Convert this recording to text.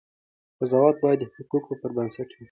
قضاوت باید د حقایقو پر بنسټ وي.